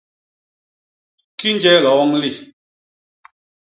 Kinje lioñ li!